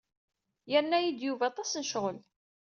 Yerna-yi-d Yuba aṭas n ccɣel.